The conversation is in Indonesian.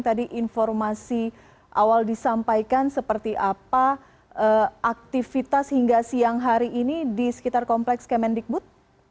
tadi informasi awal disampaikan seperti apa aktivitas hingga siang hari ini di sekitar kompleks kemendikbud